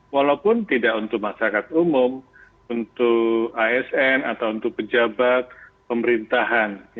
walaupun tidak untuk masyarakat umum untuk asn atau untuk pejabat pemerintahan